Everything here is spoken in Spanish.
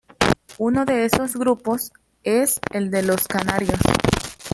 Uno de esos grupos es el de los canarios.